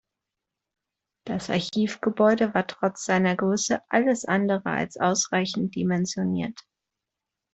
Das Archivgebäude war trotz seiner Größe alles andere als ausreichend dimensioniert.